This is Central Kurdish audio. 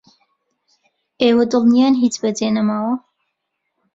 ئێوە دڵنیان هیچ بەجێ نەماوە؟